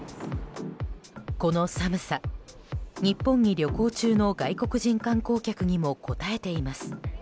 この寒さ日本に旅行中の外国人観光客にもこたえています。